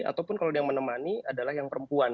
ataupun kalau dia menemani adalah yang perempuan